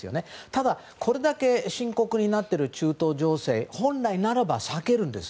ただ、これだけ深刻になっている中東情勢本来ならば避けるんです。